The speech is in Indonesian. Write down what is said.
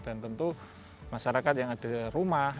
dan tentu masyarakat yang ada rumah